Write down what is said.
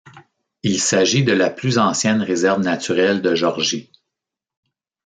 Il s'agit de la plus ancienne réserve naturelle de Georgie.